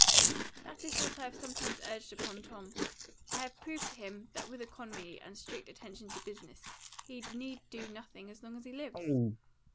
"That is what I have sometimes urged upon Tom. I have proved to him that with economy, and strict attention to business, he need do nothing as long as he lives.